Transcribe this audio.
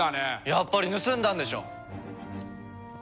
やっぱり盗んだんでしょ！